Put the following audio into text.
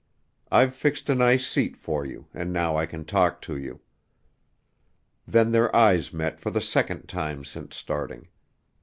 I've fixed a nice seat for you, and now I can talk to you." Then their eyes met for the second time since starting.